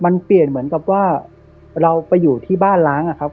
มันเปลี่ยนเหมือนกับว่าเราไปอยู่ที่บ้านล้างอะครับ